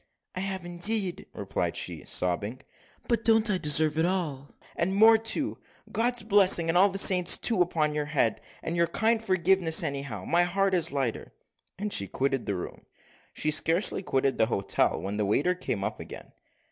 "I have, indeed," replied she, sobbing; "but don't I deserve it all, and more too? God's blessing, and all the saints' too, upon your head, for your kind forgiveness, anyhow. My heart is lighter." And she quitted the room. She had scarcely quitted the hotel, when the waiter came up again.